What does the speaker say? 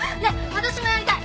私もやりたい！